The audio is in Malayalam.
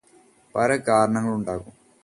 പല കാരണങ്ങളുണ്ടാകാം